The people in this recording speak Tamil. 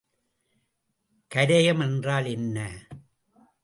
கரையம் என்றால் என்ன?